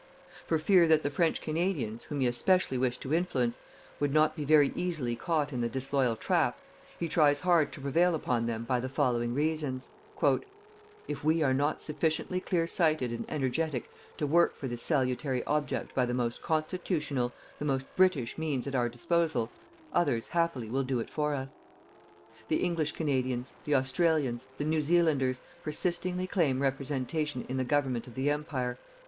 For fear that the French Canadians, whom he especially wished to influence, would not be very easily caught in the disloyal trap, he tries hard to prevail upon them by the following reasons: "_If we are not sufficiently clear sighted and energetic to work for this salutary object by the most constitutional, the most British, means at our disposal, others, happily, will do it for us._ "_The English Canadians, the Australians, the New Zealanders persistingly claim representation in the government of the Empire.